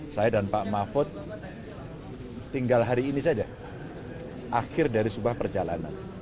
saya dan pak mahfud tinggal hari ini saja akhir dari sebuah perjalanan